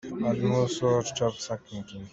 Arnu sa cu arpa sa nakin a thaw deuh.